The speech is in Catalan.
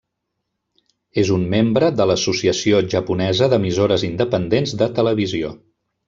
És un membre de l'Associació Japonesa d'Emissores Independents de Televisió.